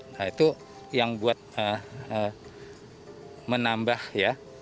nah itu yang buat menambah ya